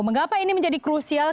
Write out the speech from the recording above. mengapa ini menjadi krusial